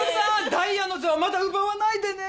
ダイヤの座はまだ奪わないでね！